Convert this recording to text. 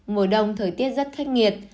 mùa đông thời tiết rất khách nghiệt